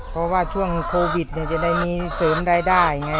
เพราะว่าช่วงโควิดจะได้มีเสริมรายได้ไง